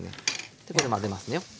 でこれ混ぜますね。